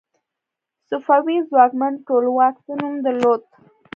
صفوي ځواکمن ټولواک څه نوم درلود؟